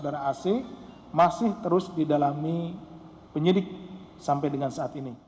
terima kasih atas penontonannya